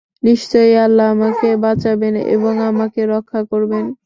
নিশ্চয় আল্লাহ আমাকে বাঁচাবেন এবং আমাকে রক্ষা করবেন।